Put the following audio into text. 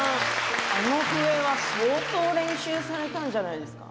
あの笛は相当練習されたんじゃないですか。